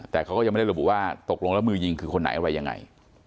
แต่เขาก็ยังไม่ได้ระบุว่าตกลงแล้วมือยิงคือคนไหนอะไรยังไง